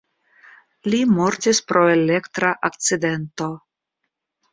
Li mortis pro elektra akcidento.